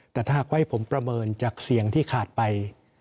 แต่ถ้าหากว่าให้ผมประเมินจากเสียงที่ขาดไป